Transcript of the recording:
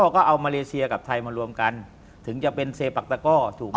ก็เอามาเลเซียกับไทยมารวมกันถึงจะเป็นเซปักตะก้อถูกไหม